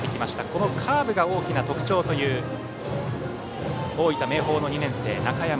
このカーブが大きな特徴という大分・明豊の２年生、中山。